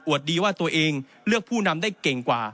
ดีว่าตัวเองเลือกผู้นำได้เก่งกว่า